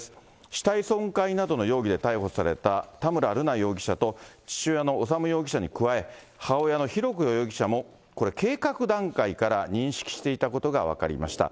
死体損壊などの容疑で逮捕された田村瑠奈容疑者と、父親の修容疑者に加え、母親の浩子容疑者も、これ、計画段階から認識していたことが分かりました。